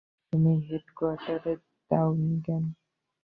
তুমি হেডকোয়ার্টারে দাওনি কেন?